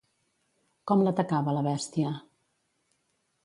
Com l'atacava la bèstia?